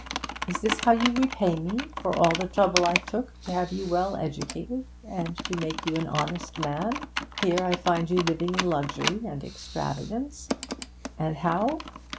Is this how you repay me for all the trouble I took to have you well educated, and to make you an honest man? Here I find you living in luxury and extravagance and how?